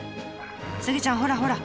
スギちゃんほらほら！